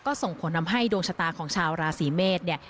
ก็ส่งผลทำให้ดวงชะตาของชาวราศรีเมฆ